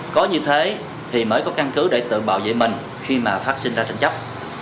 có như thế thì mới có căn cứ để tự bảo vệ mình khi mà phát sinh ra tranh chấp